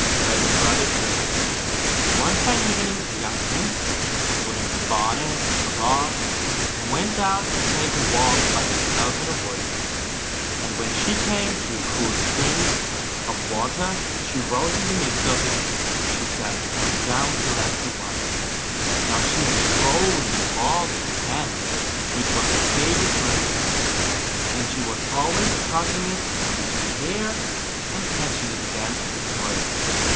THE FROG PRINCE One fine evening a young princess put on her bonnet and clogs, and went out to take a walk by herself in a wood; and when she came to a cool spring of water, that rose in the midst of it, she sat herself down to rest a while. Now she had a golden ball in her hand, which was her favourite plaything; and she was always tossing it up into the air, and catching it again as it fell.